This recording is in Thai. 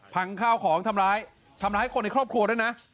ข้าวของทำร้ายทำร้ายคนในครอบครัวด้วยนะ